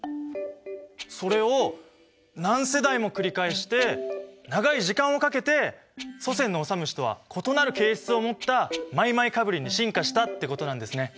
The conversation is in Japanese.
それを何世代も繰り返して長い時間をかけて祖先のオサムシとは異なる形質を持ったマイマイカブリに進化したってことなんですね。